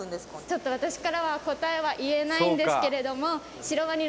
ちょっと私からは答えは言えないんですけれども